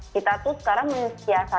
kita tuh sekarang menyiasat